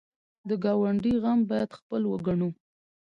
د ګاونډي غم باید خپل وګڼو